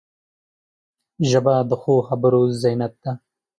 ژبه د ښو خبرو زینت ده